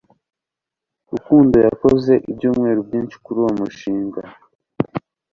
rukundo yakoze ibyumweru byinshi kuri uwo mushinga